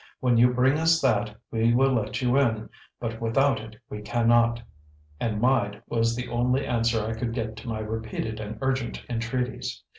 When you bring us that, we will let you in, but without it we cannot." And "myde" was the only answer I could get to my repeated and urgent entreaties.